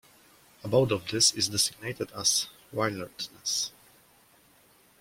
About of this is designated as wilderness.